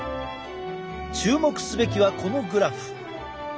注目すべきはこのグラフ。